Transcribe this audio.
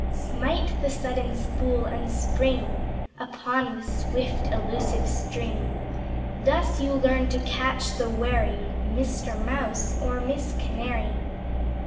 Smite the Sudden Spool, and spring Upon the Swift Elusive String, Thus you learn to catch the wary Mister Mouse or Miss Canary.